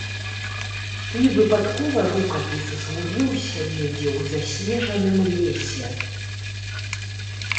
І выпадкова рукапіс згубіўся недзе ў заснежаным лесе.